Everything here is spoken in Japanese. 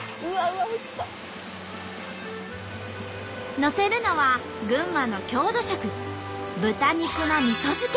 のせるのは群馬の郷土食豚肉のみそ漬け。